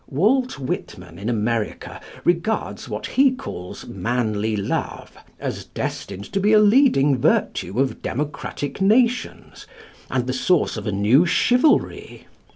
Walt Whitman, in America, regards what he calls "manly love" as destined to be a leading virtue of democratic nations, and the source of a new chivalry.